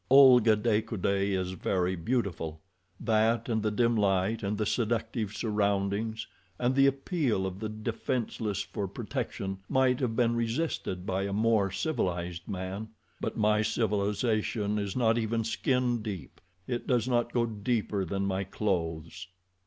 Olga de Coude is very beautiful; that, and the dim light and the seductive surroundings, and the appeal of the defenseless for protection, might have been resisted by a more civilized man, but my civilization is not even skin deep—it does not go deeper than my clothes.